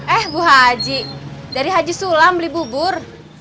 eh gue haji dari haji sulam beli bubur